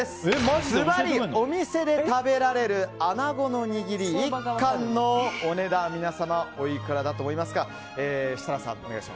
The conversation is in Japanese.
ずばり、お店で食べられる穴子のにぎり１貫のお値段皆様、おいくらだと思いますか？